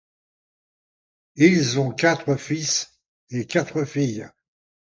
Ils ont quatre fils et quatre filles.